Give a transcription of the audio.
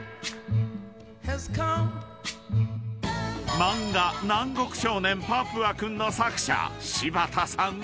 ［漫画『南国少年パプワくん』の作者柴田さんは］